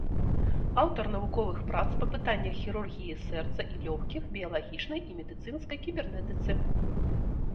Аўтар навуковых прац па пытаннях хірургіі сэрца і лёгкіх, біялагічнай і медыцынскай кібернетыцы.